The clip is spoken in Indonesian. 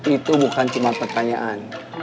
itu bukan cuma pertanyaan